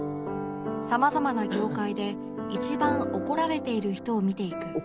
様々な業界で一番怒られている人を見ていく